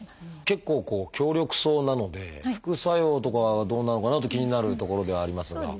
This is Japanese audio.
結構強力そうなので副作用とかどうなのかなって気になるところではありますが。